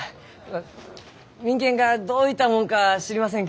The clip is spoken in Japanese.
民権がどういたもんか知りません